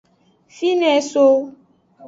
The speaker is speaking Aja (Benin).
Fine eso.